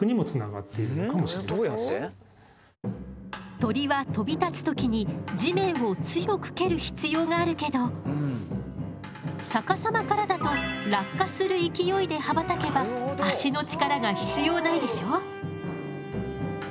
鳥は飛び立つ時に地面を強く蹴る必要があるけど逆さまからだと落下する勢いで羽ばたけば足の力が必要ないでしょ？